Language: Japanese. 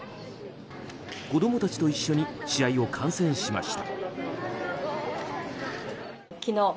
子供たちと一緒に試合を観戦しました。